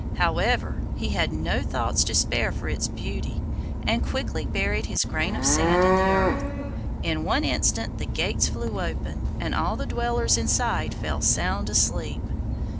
However, he had no thoughts to spare for its beauty, and quickly buried his grain of sand in the earth. In one instant the gates flew open, and all the dwellers inside fell sound asleep.